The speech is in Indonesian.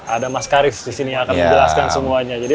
ada mas karif di sini yang akan menjelaskan semuanya